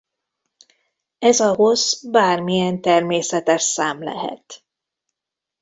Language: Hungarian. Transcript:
Ez a hossz bármilyen természetes szám lehet.